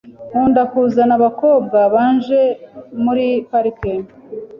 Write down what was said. Nkunda kuzana abakobwa banje muri parike.